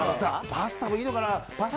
パスタもいいのかな。